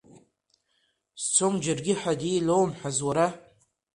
Сцом џьаргьы ҳәа ди илоумҳәаз уара?